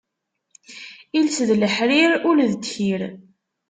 Iles d leḥrir, ul d ddkir.